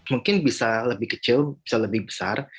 mungkin bisa lebih kecil bisa lebih besar